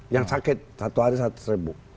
yang sakit satu hari seratus ribu